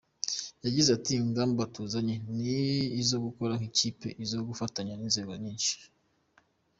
Yagize ati “Ingamba tuzanye ni izo gukora nk’ikipe, izo gufatanya n’inzego nyinshi.